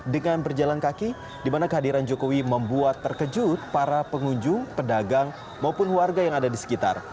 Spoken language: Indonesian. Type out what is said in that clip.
dengan berjalan kaki di mana kehadiran jokowi membuat terkejut para pengunjung pedagang maupun warga yang ada di sekitar